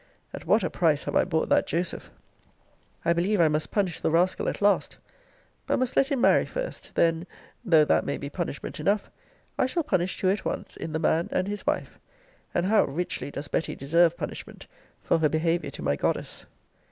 At what a price have I bought that Joseph! I believe I must punish the rascal at last: but must let him marry first: then (though that may be punishment enough) I shall punish two at once in the man and his wife. And how richly does Betty deserve punishment for her behaviour to my goddess!